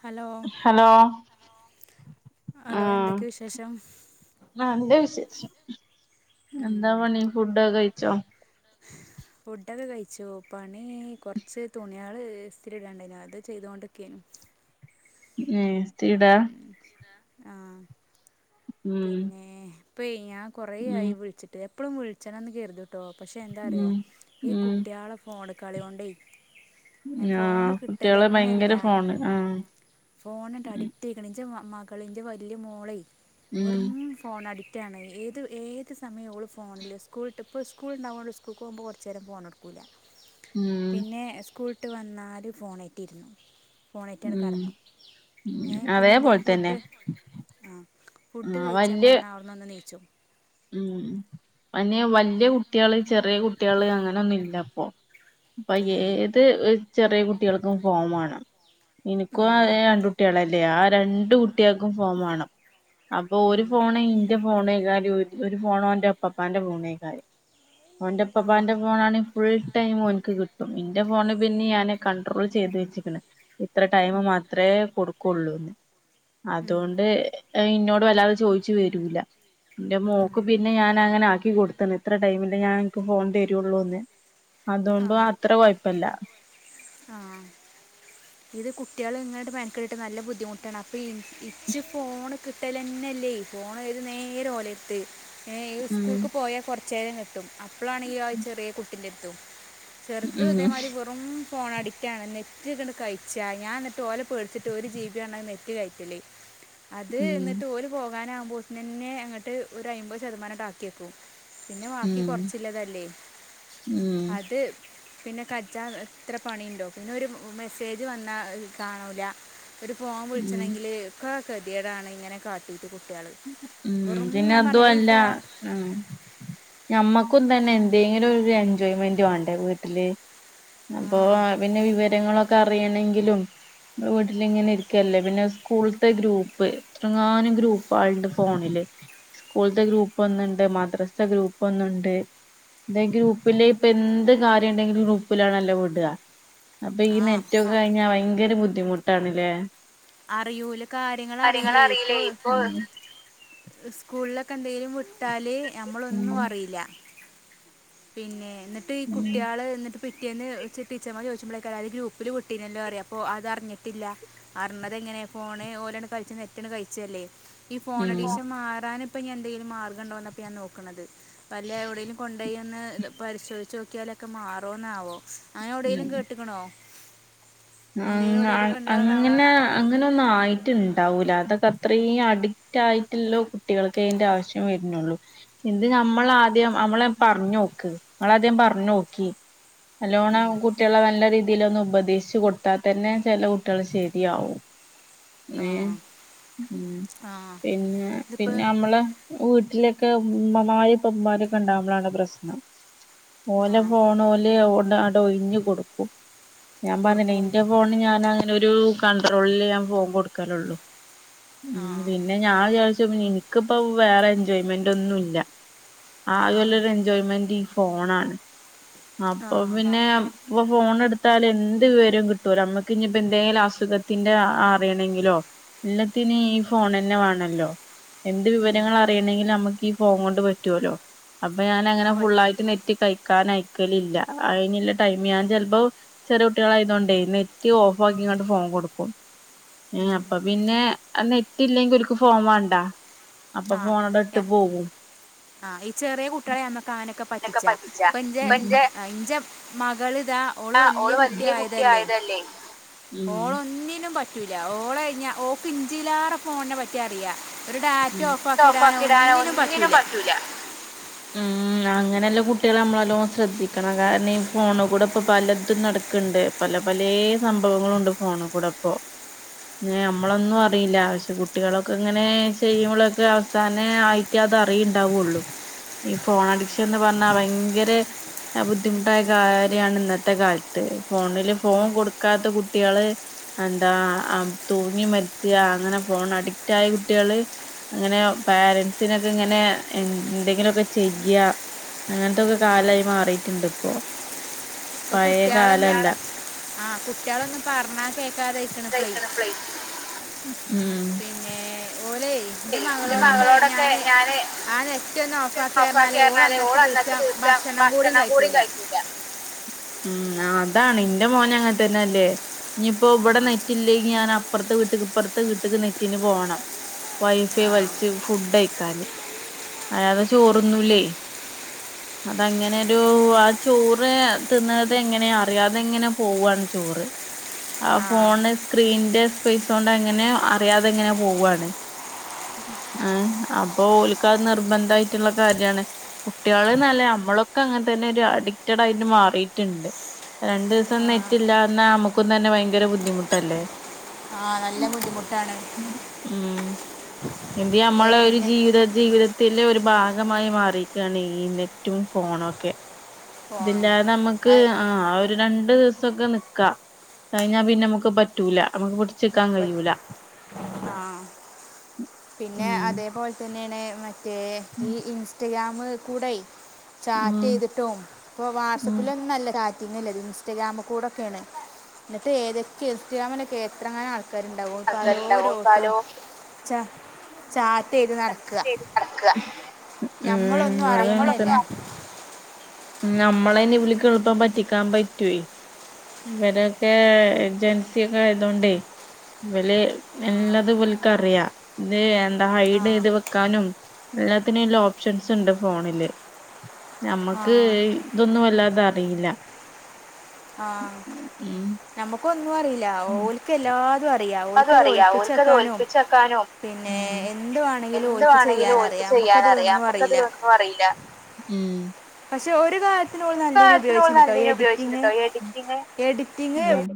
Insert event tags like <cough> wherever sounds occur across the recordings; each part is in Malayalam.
ഹലോ ഹലോ ആ ഹലോ എന്തൊക്കെ വിശേഷം നല്ല വിശേഷം ഉ എന്താ പണി ഫുഡൊക്കെ കൈ ച്ചോ? ഫുഡൊക്കെ കഴിച്ചു. പണി കൊറച്ച് തുണിയള് ഇസ്ത്തിരിഇടാൻ ഉണ്ടായിരുന്നു അത് ചെയ്തോണ്ട്ക്കെനും ഏ ഇസ്തിരി ഇടാ ആ പിന്നെ പി ഞാൻകൊറേ ഉം ആയി വിളിച്ചിട്ട് എപ്പോഴും വിളിച്ചനണന്ന് കരുതും കേട്ടോ പക്ഷെ എന്താറിയോ ഉം ഈ കുട്ട്യാളെ ഫോണ് കളിയൊണ്ടേ ആ കുട്ടിയാള് ഇല്ല ഭയങ്കര ഫോണ് ആ ഇഞ്ചേ മകളിന്റെ വല്യ മോളെ ഉം വെറും ഫോൺ അടി റ്റാണ്. ഏത് ഏത് സമയം ഓൾ ഫോണിൽ സ്കൂളിട്ടപ്പോ സ്കൂൾ ഇണ്ടാവുമ്പോ സ്കൂക്ക് പോകുമ്പോ കുറച്ച് നേരം ഫോണെടുക്കൂല ഉം പിന്നെ സ്കൂൾ വിട്ട് വന്നാല് ഫോണായിട്ടിരുന്നു ഫോണായിറ്റാട കടന്നു ഉം എ പിന്നെ എന്തെങ്കിലും അതേപോലെ തന്നെ ഫുഡ്‌ ആ ഫുഡ്‌ ആഹ് കഴിച്ചാൻ വല്യ പറഞ്ഞാ അവിടുന്നൊന്ന് എണീച്ചും ഉം അന്നെ വൽ ല്യ കുട്ട്യാള് ചെറിയ കുട്ടികള് അങ്ങനൊന്നും ഇല്ല ആഹ്. അ ആ ഏത് ചെറിയ കുട്ടി കുട്ടികൾക്കും. <unintelligible> പോ എനിക്കും ആ രണ്ട് കുട്ടികളല്ല. അല്ലെ ആ രണ്ട് ട്ട്യാക്കും ഫോൺ വേണം അപ്പൊ ഓര് ഉം. ഫോണ് ഇന്റെ ഫോണ്. ഇ <unintelligible> <unintelligible> ഒരു ഫോണോ എന്റെ അപ്പപ്പാന്റെ ഫോണേക്കാര്യം. ഓന്റെ ആ പപ്പാന്റെ ഫോണാണ്. ഫുൾ ടൈമ് ഓൻക്ക് കിട്ടും ഇന്റെ ഫോണ് പിന്നെ ഞാന് കണ്ട്രോൾ ചെയ്ത് വെച്ചിക്കണ്. ഇത്ര ടൈം ഉം. മാത്രമേ കൊടുക്കുള്ളൂ. ഉ <unintelligible> ഉം. അതുകൊണ്ട് ഇന്നോട്. വല്ലാതെ ചോദിച്ചു വരൂല ന്റെ മോ ക്കു പിന്നെ ഞാൻ അങ്ങന ആക്കി കൊടുത്തണ് ഇത്ര ടൈമില്ല ഞാൻ എനിക്ക് ഫോൺ തരുള്ളൂന്ന്- അതുകൊണ്ട് അത്ര കുഴപ്പില്ല. ആഹ് ഇത് കുട്ടികൾ ഇങ്ങോട്ട് ബയക്കട്ട് നല്ല ബുദ്ധിമുട്ടാണ് അപ്പൊ ഇച്ച് പോണ്. കിട്ടലന്നല്ലേ ഈ ഫോൺത് നേരെ ഓലത്ത്. ഈ ഉം സ്കൂൾക്ക് പോയാൽ കുറച്ച്. ചേര കെട്ടും. അപ്പോഴാണ് ഈ ആ ചെറിയ കുട്ടിൻ്റെത്. ട്ടും. <unintelligible> ചെറുതും ഉം ഇതേ മാരി വെറും. ഫോൺ അഡിക്റ്റ ആണ് നെറ്റ് ഇ കഴിച്ചാ ഞാൻ എന്നിട്ട് ഓലെ പേടുത്തിട്ട് ഒരു ജീ ബിാണത് നെറ്റ് കയറ്റല് അത് ഉം എന്നിട്ട് ഓരു പോ ഭാന ആകുമ്പോന്നെ അങ്ങട്ട് ഒരു അമ്പത് ശതമാനംട്ട ആക്കിയ്ക്കും. പിന്നെ ബാക്കി ഉം കുറച്ചില്ലതല്ലേ ഉം അത്. പിന്നെ കജ ഇത്ര പണിയുണ്ടോ പിന്നെരു മെസ്സേജ് വന്നാ കാണൂല. ഒരു ഫോം ഉം വിളിച്ചണെങ്കില് ഒക്ക ഗതിേടാണ് ഇങ്ങനെ കാട്ടി ഉ പിന്നെ ഈ അതുംല്ല ഫോൺ ഉ ഞമ്മ തന്നെ എന്തെങ്കന ഒരു എൻജോയ്മെന്റ വണ്ട് വീട്ടില്. ആ അപ്പൊ പിന്നെ വിവരങ്ങളൊക്കെ അറിയണമെങ്കിലുംമ്മ വീട്ടില ഇങ്ങനെ ഇരിക്കല്ലേ പിന്നെ സ്കൂളത്തെ ഗ്രൂപ്പ് എത്രങ്ങാനം ഗ്രൂപ്പ് ണ്ട് ഫോണില് സ്കൂളത്തെ ഗ്രൂപ്പ് ഒന്നണ്ട് മദ്രാസത്തെ ഗ്രൂപ്പ് ഒന്നണ്ട് എന്ത ഗ്രൂപ്പില ഇപ്പ എന്ത് കാര്യുണ്ടെങ്കിലും ഗ്രൂപ്പിലാണല്ല വിടുക അപ്പൊ ഈ ആ നെറ്റൊ കഴിഞ്ഞാ ഭയങ്ക ഭയങ്കര ബുദ്ധിമുട്ടാണല്ലേ അറിയൂല കാര്യങ്ങ അറിയില്ലേ ഇപ്പൊ സ്കൂളിലൊക്കെ എന്തെങ്കിലും വിട്ടാല് നമ്മളൊന്നും ഉം അറിയില്ല പിന്നെ എന്നിട്ട് ഈ ഉം കുട്ടികള് എന്നിട്ട് പിട്ടിന്ന് ടീച്ചർമാർ ചോദിച്ചോഴേക്ക അത് ഗ്രൂപ്പിൽ പട്ടീല്ലോ അറ അപ്പോ അറിഞ്ഞിട്ടില്ല പറഞ്ഞത് എങ്ങനെയാണ് ഫോണ് ഓരോണ് കഴിച്ചു നെറ്റണ് കഴിച്ചല്ലേ ഈ ഉം പോണടീശം മാറാൻ അപ്പ ഞ എന്തങ്കിലും മാഗംണ്ടോന്നപ്പോ ഞാ നോക്കുന്നത് അപ്പ അല്ല എവിടെങ്കലും കൊണ്ട പോയിന്ന് പരിശോധിച്ചച്ച് നോക്കിയാലൊക്കെ മാറോന്നാവോ അങ്ങനെവിയങ്കലും ഉം കേട്ടക്കണോ ഉണ്ടോയെന്നാവോ അങ്ങനെ അങ്ങനെ ഒന്നും ആയിട്ടുണ്ടാവൂല അതൊക്കെ അത്രയും അഡിക്റ്റ് ആയിട്ടുള്ള കുട്ടികൾക്ക് അതിന്റെ ആവശ്യം വരുന്നുള്ളു ഇത് നമ്മൾാദ്യം നമ്മളെ പറഞ്ഞു നോക്ക് നമ്മളാദ്യം പറഞ്ഞു നോക്കി ഉം. നല്ലോണം കുട്ടികളെ നല്ല രീതിൽ ഒന്ന് ഉപദേശിച്ചു കൊ പത്താ തന്നെ ചെില കുട്ടികൾ ശരിയാവും ആ ഉ ആ പിന്നെ ഇതിപ്പോൾ പിന്നെ നമ്മള് വീട്ടിലൊക്കെ ഉ മപ്പ്മാരൊക്കെണ്ടാവുമ്പോളാണ് പ്രശ്നം ആ ഓലെ പോണ ഓല ണ്ട് അട ഒഴഞ്ഞു കൊടുക്കും ഞാൻ കൊടുക്കും പറഞ്ഞില്ല ഫോണ് ഞാൻ അങ്ങനെ ഒരു കണ്ട്രോളില് ഞാൻ ഫോൺ കൊടുക്കാുള്ളു ആ ഉം പിന്നെ ഞാൻ വിചാച്ച എനിക്കിപ്പ വേറെ എൻജോയ്മെന്റ് ഒന്നും ഇല്ല ആ ആത് വല്ലൊരു എൻജോയ്മെന്റ് ഫോണാണ് ആ അപ്പൊ പിന്നെ അപ്പൊ ഫോൺ എടുത്താൽ എന്ത് വിവരം കിട്ടു ട്ട നമ്മക്ക് ഇനിയിപ്പോ എന്തെങ്കിലും അസുഖത്തിന്റെ അറിയണമെങ്കിലോ എല്ലത്തിന് ഈ ഫോൺ തന്നെ വേണല്ലോ എന്ത് ഉം. വിവരങ്ങൾ അറിയണെങ്കും നമുക്ക് ഈ ഫോൺ കൊണ്ട് പറ്റുവല്ലോ അപ്പൊ ആ ഞാനൻങ്ങനെ പറ്റും ഫുള്ളായിട്ട് നെറ്റി കാരണം അയക്കലില്ല. ഇനി ഇല്ല ടൈം ഉം. ഞാൻ ചിലപ്പോ ചെറു കുട്ടികൾ ആയതു കെണ്ടേ നെ റ്റ് ഓഫ് ഉം, ആക്കിങ്ങട്ട് ഫോൺ കൊടുക്കും ഏ ഉം. അപ്പൊ പിന്നെ ആ നെറ്റ് ഇല്ലെങ്കിൽ ഒർക്ക് ഫോൺ വണ്ട ആ ആ ഈ ചെറിയ കുട്ടികളെ നമ്മക്ക്ആനൊക്കെ ക്കെ പറ്റിച്ചാ പറ്റിച്ച ഇപ്പ എന്റെ ഇപ്പൊ എന്റെ മകൾ ഇതാ ഓള്‌ വലിയ കുട്ടിയ ആയതല്ലേ അല്ലേ ഉ ഉ പറ്റുല്ലാ ഓള്ഞാ ഓൾക്ക് ഇഞ്ചിലാറ് ഫോണിനെ പറ്റി അറിയ ഉം നെറ്റൊഫക്കിടാനൊ ഒന്നിനും പറ്റൂല ഉം അങ്ങനെയല്ല കുട്ടികളെ നമ്മളെല്ലോ ശ്രദ്ധിക്കണം കാരണം ഈ ഫോണ് കൂടെ ഇപ്പ പലതും നടക്കണ്ട് പല പല സംഭവങ്ങളുണ്ട് ഫോൺ കൂടെ ഇപ്പോ നമ്മളൊന്നും അറിയില്ല പക്ഷെ കുട്ടികളൊക്കെ ഇങ്ങനെ ചെയ്യുമ്പോക്കെ അവസാന ആയിട്ട് അത് അറിയുണ്ടാവുള്ളു ഈ ഫോൺ അഡിക്ഷൻ എന്ന് പറഞ്ഞാൽ ഭയങ്കര ബുദ്ധിമുട്ടായ കാര്യാണ് ഇന്നത്തെ കാലത്ത് ഫോണില് ഫോൺ കൊടുക്കാത്ത കുട്ടികള് എന്താ തൂങ്ങി മരിച്ച അങ്ങനെ ഫോൺ അഡിക്റ്റ് ആയ കുട്ടികള് അങ്ങനെ പാരൻസിനൊക്കെ ഇങ്ങനെ എന്തെങ്കിലുമൊക്കെ ചെയ്യാ അങ്ങനത്തൊക്കെ കാലായി മാറിയിട്ടുണ്ട് ഇപ്പോ ഇപ്പൊ പഴയ കുട്ടികളൊന്നും കാലല്ല ആ കുട്ടികള ഒന്ന് പറഞ്ഞാ കേ ക്കതയക്കണ ഇപ്ലേ പിന്നെ എൻ്റെ ഉം മകളോടൊക്കെ ഞാൻ ഞാന് ആ നെറ്റ് ഒന്ന് ഓഫാക്കി പറഞ്ഞാൽ ഓൾ ഓഫാക്കിഞ്ഞാല് ഓള് അന്നത്തെ ദിവസം ദിവസ ഭക്ഷണം കൂടിയും കഴിക്കൂല കഴിക്കുക ഉം അതാണ് എന്റെ മോന അങ്ങനെ തന്നെ അല്ലേ ഇനിയിപ്പോ ഇവിടെ നെറ്റി ഇല്ലെകി ഞാൻ അപ്പുറത്തെ വീട്ടക്ക് ഇപ്പുറത്തെ വിട്ടക്ക് നെറ്റിന് പോണം വൈഫൈ ആ വലിച്ച് ഫുഡ് അയ്ക്കാന് അയാതെ ചോറൊന്നുംല്ലേ അതങ്ങനെരു ആ ചോറ് തിന്നത് എങ്ങനെ അറിയാതെ എങ്ങനെ പോവുവാണ് ചോറ് ആ ഫോണ് സ്ക്രീനിന്റെ സ്പേസ് കൊണ്ട് എങ്ങനെയോ അറിയാതെ അങ്ങനെ പോവാണ് അ അപ്പൊ ഓൽക്ക് നിർബന്ധ ആട്ടുള്ള കാര്യമാണ് കുട്ടികൾന്നല്ല നമ്മളൊക്കെ അങ്ങനെ തന്നെ ഒരു അഡിക്റ്റഡ ആയിട്ട് മാറിയിട്ടുണ്ട് രണ്ടു ആ, ദിവസം നെറ്റ് ഇല്ലാന്നാ നമ്മുക്കും തന്നെ ഭയങ്കര ബുദ്ധിമുട്ടല്ലേ ആ ബുദ്ധിമുട്ടാണ്. മു എന്ത് ഏ, നമ്മളൊരു പിന്നെ ജീവിത ജീവിതത്തിലെ ഒരു ഭാഗമായി മാറീക്കാണ് ഈ നെറ്റും ഫോണൊക്കെ പോണം ഇതില്ലാതെ ആ, നമ്മക്ക് ആഹ് ഒരു രണ്ട് ദിവസൊക്കെ നിക്കാ കഴിഞ്ഞാ പിന്നെ നമ്മക്ക് പറ്റൂല നമ്മക്ക് പിടി ച്ച്ക്കാൻ പ- കയൂല ആ പിന്നെ ഉം അതേപോല തന്നേണ് മാ റ്റേ ഈ ഇൻസ്റ്റഗ്രാം. മ് കൂടെയ് ഉം ചാറ്റെയ്ത്ട്ടും ഇപ്പൊ ഉം വാട്സപ്പിലൊന്നുല്ല ചാ പിന്നല്ലേ ഇൻസ്റ്റാഗ്രാം കൂടെയൊക്കയാണ് എന്നിട്ട് ഏതൊയൊക്കയോ ഇൻസ്റ്റഗ്രാമിനൊക്കെ എത്രങ്ങാനും ആളുക്കാര്. ആൾക്കാരുണ്ടാവും ആൾക്കാരുണ്ടാവും പലോരോട്ടും. ഓൽക്കാലോചിച്ച് ചാ ചാറ്റ് ചെയ്ത് ചാറ്റ് നടക്കുക ചെയ്ത് നടക്കാ. ഉം നമ്മളൊന്നും അതെന്നു വെച്ചാല്. അറിയുന്നില്ല നമ്മള് അതിന് വിളിക്കുമ്പോ എളുപ്പം പറ്റിക്കാൻ പറ്റുവേ, ഇവരൊക്കെ ജൻസി ഒക്കെ ആയതോണ്ടേ ഇവല് എല്ലതും ഇവൽക്കറിയാ ഇത്. ആ ഹൈഡ് ചെയ്തു വെക്കാനും. എല്ലാത്തിന് ഇതിന് ഓപ്ഷൻസ് ഉണ്ട് ഫോണില് ഞമ്മള്. ആ ക്ക് ഇതൊന്നും വല്ലാ തറീല ആഹ് ഞമ്മക്കൊ ന്നുറീല ഓൽക്കെല്ലാതുറീം. എല്ലാതും അറിയാ ഓൽക്കത് ഒളിപ്പിച്ചെക്കാനും പിന്നെ എന്ത് വേണമെങ്കിലും എന്ത് ഓൽക്ക് വേണെങ്കിലും ഓര്ക്ക് ചെയ്യാനറിയാം ചെയ്യാന് അറിയാം നമുക്കതിലൊന്നും നമ്മക്ക് അറിയില്ല അതിലൊന്നും അറീല. ക്ഷെ ഓ കാര്യത്തിന് നല്ലീന് ഓള് ഉപയോഗിച്ചിണ്ട് ട്ടോ നല്ലീനെ എഡിറ്റിംഗ് ഉപയോഗിച്ചിണ്ട്ട്ടോ എഡിറ്റിങ് എഡിറ്റിംഗ് <unintelligible> എഡി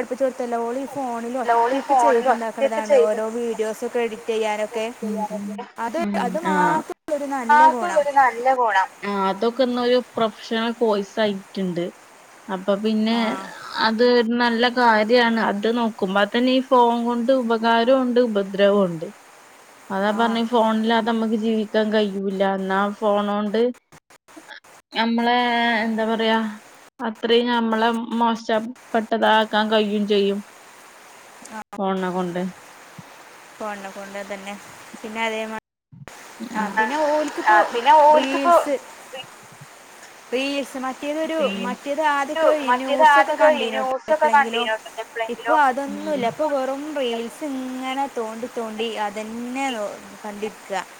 ട്പ്പിച്ചോട്തല്ല ഓലി ഫോണിൽ ഓള് ഈ ഒറ്റക്ക് ഫോണില് ഒറ്റക്ക് ചെയ്ത്ണ്ടാക്ക്ണതാണ് ചെയ്ത് ഓരോ വീഡിയോസൊക്കെ എഡിറ്റ് ചെയ്യാനൊക്കെ ഉം ഉം അത് ഉം അത് ആഹ് മാത്രള്ളൊരു നല്ല ഗുണം. അതൊള്ളൊരു നല്ല ഗുണം ആഹ് അതൊക്കെന്ന് ഒരു പ്രൊഫഷണൽ കോഴ്സായിറ്റ്ണ്ട്. അപ്പ പിന്നെ ആ അത് നല്ല കാര്യാണ് അത് നോ ക്കുമ്പ തന്നെ ഈ ഫോണുകൊണ്ട് ഉപകാരോണ്ട് ഉപദ്രവോണ്ട്. അതാ ആ പറഞ്ഞേ ഫോണില്ലാതെ നമ്മക്ക് ജീവി ക്കാൻ കഴിയൂല്ല എന്നാ ഫോണോണ്ട് നമ്മളെ എന്താ പറയാ അത്രയും നമ്മളെ മോശപ്പെട്ടതാക്കാൻ കഴിയും ചെയ്യും. ഫോൺനെ കൊണ്ട് പോണ്ട പോണ്ട തന്നെ പിന്നെ അതേ മാ ആ ആ പിന്നെ ഓൽക്കിപ്പോ റീൽസ് റീൽസ് മറ്റേ - മറ്റേതൊരു മറ്റേത് ആദ്യക്കെ മറ്റേത് ന്യൂസൊക്കെ ആദ്യൊക്കെ ഈ കണ്ടേനോട്ട് ന്യൂസൊക്കെ എപ്പോഴെങ്കിലും കണ്ടീനോട്ടോ എപ്പളെങ്കിലോ ഇപ്പോൾ ഉം അതൊന്നുമില്ല ഇപ്പൊ വെറും റീൽസ് ഇങ്ങനെ- തോണ്ടി തോണ്ടി അ- അത് തന്നെ കണ്ടി- <unintelligible>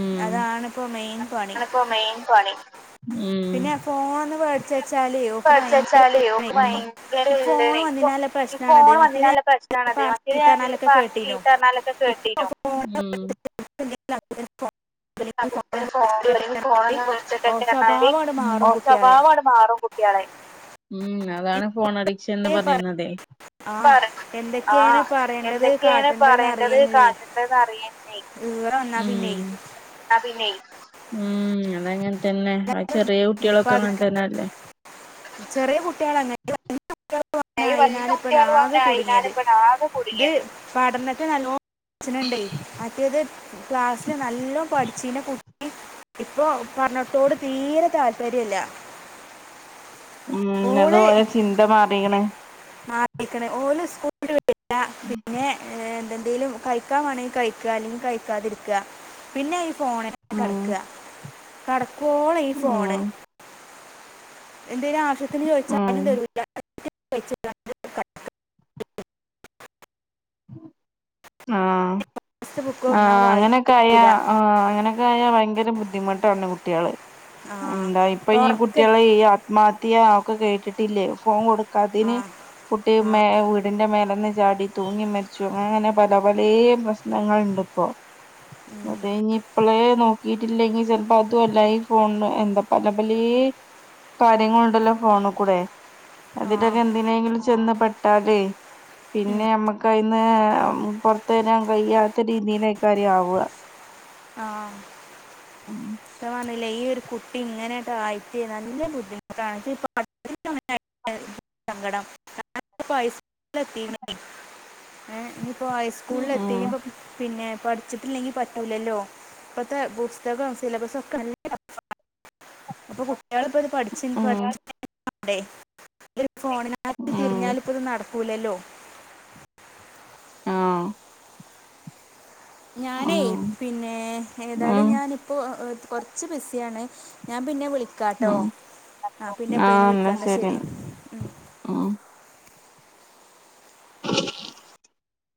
ഉം അതാണിപ്പൊ മെയിൻ പണി ആണിപ്പോ മെയിൻ പണി പിന്നെ ഫോൺ വെ പറിച്ച് വച്ചാലോ ഓൾക്ക് ഇപ്പൊ ഭയങ്കര ഈ ഫോൺ വന്നതിനാലുള്ള ഈ പ്രശ്നമാണത് ഫോൺ മറ്റേത് വന്നതിനാല ഞാൻ പ്രശ്നണത് പറഞ്ഞ മറ്റേത് ചീത്ത ഞാൻ എന്തേലും പറഞ്ഞാലൊക്കെ കേട്ടീനു പറഞ്ഞാലൊക്കെ ഇപ്പോൾ കേട്ടീനോ ഫോൺ പകുതി നേരം ഫോണിലാണ് പിന്നെ ഫോണിലൊക്കെ ഫോൺ വിളിച്ചിട്ടൊക്കെയാണ് സ്വഭാവം അങ്ങട് മാറും കുട്ടികളെ സ്വഭാവം അങ്ങട് മാറും കു ട്ടികളെ ഉം ഈ അതാണ് ഫോൺ അഡിക്ഷൻ എന്ന് ഏ പറ പറയുന്നതെ ആ അതാണ് ആ എന്തൊക്കെയാണ് പറയേണ്ടത് എന്തൊക്കെയാണ് കാട്ടേണ്ടതെന്ന് പറയേണ്ടത് അറിയാനില്ലേ കട്ടേണ്ടത് എന്ന് അറിയേണ്ടെ ഇവിടെ വന്നാ പിന്നെ ഉം അതങ്ങന തന്നെ ആ ചെറിയ ഇപ്പൊ കുട്ടികളൊക്കെ അത് അങ്ങനതന്നല്ലേ ചെറിയ കുട്ടികളങ്ങനെ തിനാൽ ഇപ്പൊ ഈ വല്യ അതിനാലെ കുട്ടികളും ആകെ അങ്ങനെ കുടുങ്ങിയത് അയിനാലിപ്പണ് ആകെ ഇത് കുടുങ്ങിയത് പഠനത്തിനല്ലോ അച്ഛനുണ്ട് മറ്റേതു ക്ലാസ്സില് നല്ല പഠിച്ചീന കു ഇപ്പൊ പറഞ്ഞിട്ട് കൂടെ തീരെ താല്പര്യല്ല ഉം അതുപോലെ ചിന്ത മാറിക്കണ് <unintelligible> പിന്നെ എന്തേലും കഴിക്കാൻ വേണെങ്കിൽ കഴിക്കുക അല്ലെങ്കിൽ കഴിക്കാതിരിക്കുക പിന്നെ പോനേനുമുന്നെ ഉം കിടക്കുക <unintelligible> ഫോൺ ഐ ഉം ഫോൺ എന്തെലും ആവശ്യത്തിന് ഉം ചോദിച്ചാലും തരൂല്ല <unintelligible> ആ ബുക്ക് ആ ഒന്നാ അങ്ങനൊക്കെ ആയാ വായിക്കൂല ആ അങ്ങനൊക്കെ ആയ ഭയങ്കര ബുദ്ധിമുട്ടാണ് കുട്ട്യാള് ആ എന്താ ഇപ്പൊ ഈ തുറക്ക് കുട്ടികള് ഈ ആത്മഹത്യാ ക്കൊ കേട്ടിട്ടില്ലേ ഫോൺ കൊടു ആ കാതിന് കുട്ടി മേ വീടിന്റെ മേൽ കന്ന് ചാടി തൂങ്ങി മരിച്ചു അങ്ങനെ പല പലേ പ്രശ്നങ്ങളുണ്ട്പ്പോ അതേഞ്ഞി ഇപ്പോളെ നോക്കിട്ടില്ലെങ്കി ചെൽപ്പോ അതുഅല്ല ഈ ഫോണ് എന്താ പല പലേ കാര്യങ്ങളുണ്ടല്ലോ ഫോണ്കൂടെ ആ അതിൻ്റെയൊക്കെ എന്തിനേങ്കിലും ചെന്ന് പെട്ടാലേ ഉം, പിന്നെ നമ്മുക്കയിന്ന് മ് പൊരത്തെരാൻ കഴിയാത്ത രീതീലയ്‌ക്കാരയ് ആവാ ആ ഇപ്പൊ പറഞ്ഞില്ലേ ഈ ഒരു കുട്ടി ഇങ്ങനെണ്ടായിട്ടെ നല്ല ബുദ്ധിമുട്ടാണ് <unintelligible> സങ്കടം <unintelligible> ഏ ഞ്ഞി ഇപ്പോ ഹൈസ്കൂളിൽ എത്തി ഉം ഇനിയിപ്പോ പിന്നെ പഠിച്ചിട്ടില്ലെങ്കിൽ പറ്റൂലല്ലോ ഇപ്പഴത്തെ പുസ്തകം സിലബസും ഒക്കെ നല്ല <unintelligible> അപ്പ കുട്ട് അയാളിപ്പോ ഇത് പഠിച്ച്ൻക്ക് ഉം പഠിപ്പിച്ച് <unintelligible> <unintelligible> ഇതൊരു ഫോണിനായിട്ട് ഉം തിരിഞ്ഞാല് പ്പത് നടക്ക് ക്കൂലല്ലോ ആഹ് ഞാനേയ് ഉം പിന്നെ ഏതായാലും ഉം ഞാനിപ്പോ ഒ കൊർച്ച് ബിസിയാണ് ഞാൻ പിന്നെ വിളി ഉം ആ ന്നാ വിളിക്കാം എന്നാൽ ശരി ശരിന്നാ ഉം. ഉം